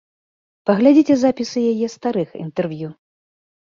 Паглядзіце запісы яе старых інтэрв'ю.